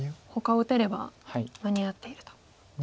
ほかを打てれば間に合っていると。